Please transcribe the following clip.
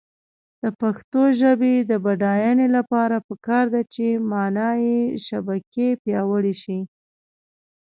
د پښتو ژبې د بډاینې لپاره پکار ده چې معنايي شبکې پیاوړې شي.